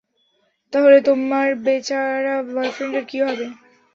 তাহলে, তোমার বেচারা বয়ফ্রেন্ডের কী হবে?